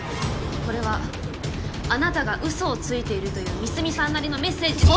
これはあなたが嘘をついているという三隅さんなりのメッセージじゃ！